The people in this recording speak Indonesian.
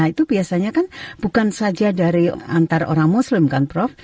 itu biasanya kan bukan saja dari antara orang muslim kan prof